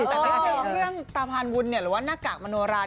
แต่เรื่องตาพานวุลหรือว่าหน้ากากมโนรา